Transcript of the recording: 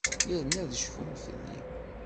Yerna ad cfun fell-i.